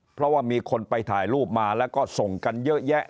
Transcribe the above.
เพราะว่ามีคนไปถ่ายรูปมาแล้วก็ส่งกันเยอะแยะ